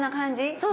◆そう！